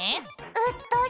「うっとり！」。